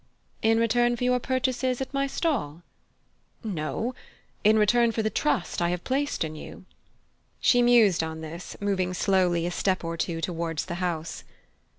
"In return for your purchases at my stall?" "No: in return for the trust I have placed in you." She mused on this, moving slowly a step or two toward the house.